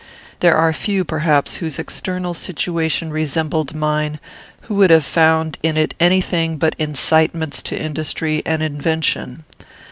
"There are few, perhaps, whose external situation resembled mine, who would have found in it any thing but incitements to industry and invention.